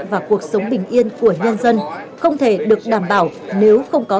và cuộc sống bình yên của nhân dân không thể được đảm bảo nếu không có